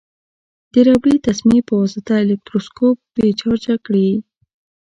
د ربړي تسمې په واسطه الکتروسکوپ بې چارجه کړئ.